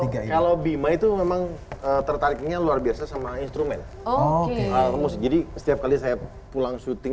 oke kalau bima itu memang tertariknya luar biasa sama instrumen oke jadi setiap kali saya pulang syuting